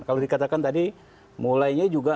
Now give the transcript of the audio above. kalau dikatakan tadi mulainya juga